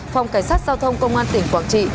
phòng cảnh sát giao thông công an tỉnh quảng trị